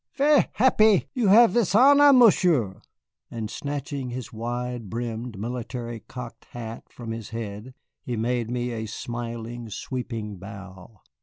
Ver' happy you have this honor, Monsieur;" and snatching his wide brimmed military cocked hat from his head he made me a smiling, sweeping bow.